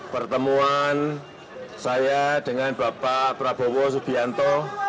pertemuan saya dengan bapak prabowo subianto